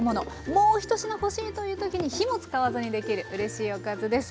もう１品欲しいという時に火も使わずに出来るうれしいおかずです。